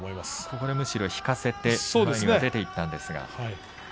ここでむしろ引かせて前に出ていったんですが。